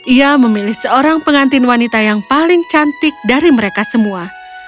ia memilih seorang pengantin wanita yang paling cantik dari mereka semua